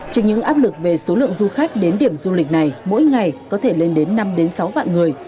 trên những áp lực về số lượng du khách đến điểm du lịch này mỗi ngày có thể lên đến năm sáu vạn người